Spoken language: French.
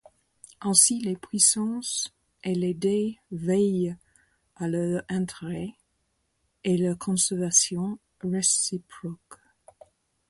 Ainsi les Puissances et les deys veillent à leurs intérêts et leur conservation réciproque.